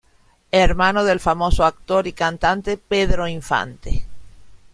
Hermano del famoso actor y cantante Pedro Infante.